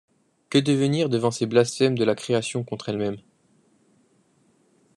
Que devenir devant ces blasphèmes de la création contre elle-même?